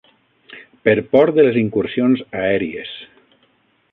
...per por de les incursions aèries